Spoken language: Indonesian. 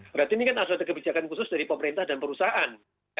berarti ini kan harus ada kebijakan khusus dari pemerintah dan perusahaan